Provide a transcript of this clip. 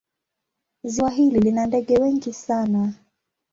Ziwa hili lina ndege wengi sana.